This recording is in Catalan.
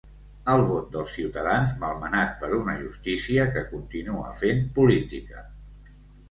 El vot dels ciutadans, malmenat per una "justícia" que continua fent política.